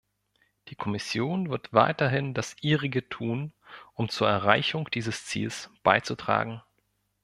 Die Kommission wird weiterhin das Ihrige tun, um zur Erreichung dieses Ziels beizutragen.